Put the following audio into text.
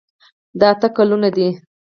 دا اته ګلونه دي.